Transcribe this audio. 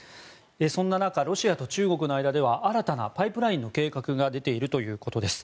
そんな中、ロシアと中国の間では新たなパイプラインの計画が出ているということです。